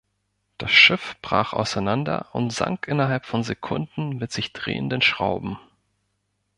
Das Schiff brach auseinander und sank innerhalb von Sekunden mit sich drehenden Schrauben.